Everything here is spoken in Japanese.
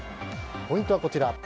ポイントはこちら。